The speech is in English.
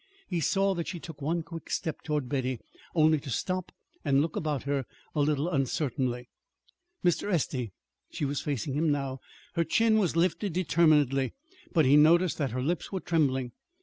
He saw that she took one quick step toward Betty, only to stop and look about her a little uncertainly. "Mr. Estey," she was facing him now. Her chin was lifted determinedly, but he noticed that her lips were trembling.